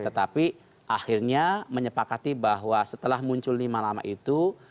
tetapi akhirnya menyepakati bahwa setelah muncul lima nama itu